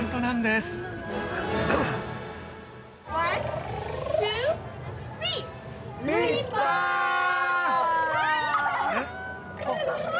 ◆すごい！